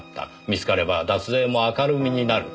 見つかれば脱税も明るみになる。